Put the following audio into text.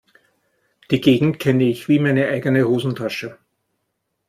Die Gegend kenne ich wie meine eigene Hosentasche.